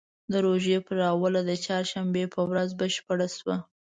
د روژې پر اوله د چهارشنبې په ورځ بشپړه شوه.